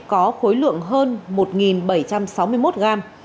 có khối lượng hơn một bảy trăm sáu mươi một g